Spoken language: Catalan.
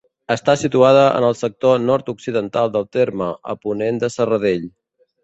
Està situada en el sector nord-occidental del terme, a ponent de Serradell.